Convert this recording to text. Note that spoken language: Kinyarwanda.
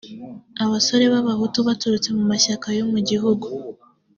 abasore b’abahutu baturutse mu mashyaka yo mu gihugu